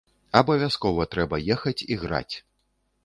Абавязкова трэба ехаць і граць!